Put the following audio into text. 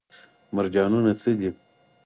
مرجانونه څه دي؟